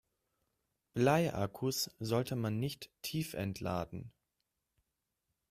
Bleiakkus sollte man nicht tiefentladen.